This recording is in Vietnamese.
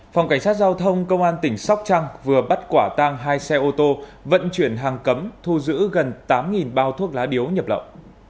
phòng cảnh sát giao thông công an tỉnh sóc trăng vừa bắt quả tang hai xe ô tô vận chuyển hàng cấm thu giữ gần tám bao thuốc lá điếu nhập lậu